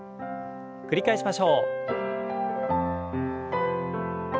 繰り返しましょう。